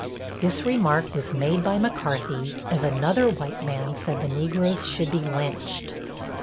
This remark was made by McCarthy, as another white man said the Negroes should be lynched.